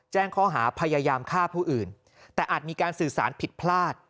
แจ้งข้อหาพยายามฆ่าผู้อื่นแต่อาจมีการสื่อสารผิดพลาด